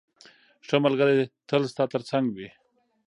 ښه ملګری تل ستا تر څنګ وي.